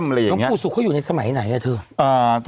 หลวงปู่สุกเขาอยู่ในสมัยไหนอ่ะเธอ